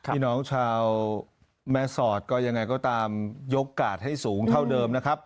พี่น้องชาวแม่สอดก็ยังไงก็ตามยกกาดให้สูงเท่าเดิมนะครับ